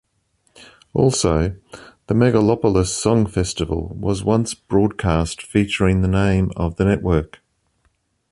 Also, the "Megalopolis Song Festival" was once broadcast featuring the name of the network.